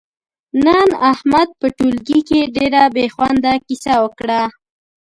نن احمد په ټولگي کې ډېره بې خونده کیسه وکړه،